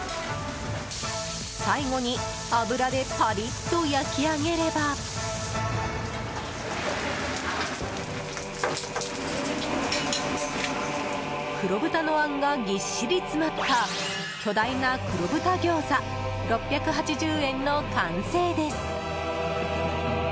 最後に油でパリッと焼き上げれば黒豚のあんがぎっしり詰まった巨大な黒豚餃子、６８０円の完成です。